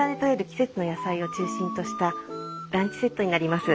季節の野菜を中心としたランチセットになります。